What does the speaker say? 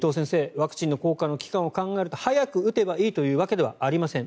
ワクチンの効果の期間を考えると早く打てばいいというわけではありません。